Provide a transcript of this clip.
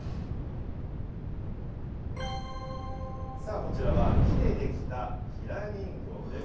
こちらは、木で出来たひな人形です。